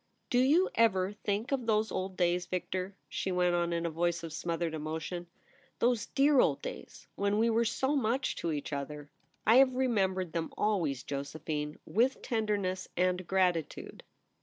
* Do you ever think of those old days, Victor ?' she went on, in a voice of smothered emotion ;' those dear old days when we were so much to each other !'* I have remembered them always, Jose phine, with tenderness and gratitude.'